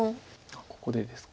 ここでですか。